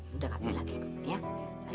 udah gak apa apa lagi ya